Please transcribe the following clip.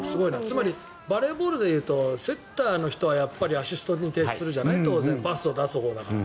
つまりバレーボールで言うとセッターの人はやっぱりアシストに徹するじゃない、当然パスを出すほうだから。